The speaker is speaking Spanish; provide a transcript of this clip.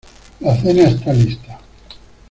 La cena esta lista